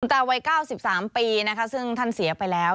คุณตาไว้๑๓ปีซึ่งท่านเสียไปแล้ว